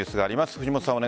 藤本さん。